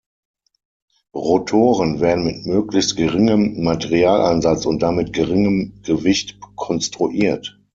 Rotoren werden mit möglichst geringem Materialeinsatz und damit geringem Gewicht konstruiert.